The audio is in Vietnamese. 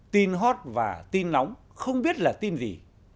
tin hot và tin nóng không biết là tin gì